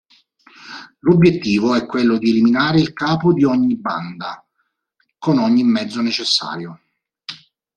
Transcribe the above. L'obiettivo è quello di eliminare il capo di ogni banda, con ogni mezzo necessario.